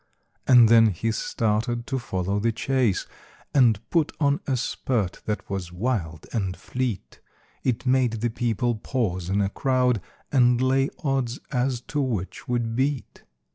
And then he started to follow the chase, And put on a spurt that was wild and fleet, It made the people pause in a crowd, And lay odds as to which would beat.